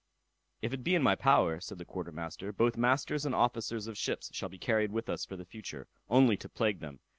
"If it be in my power," said the quarter master, "both masters and officers of ships shall be carried with us for the future, only to plague them.